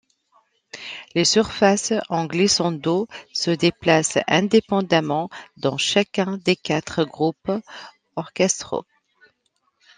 Les surfaces en glissando se déplacent indépendamment dans chacun des quatre groupes orchestraux.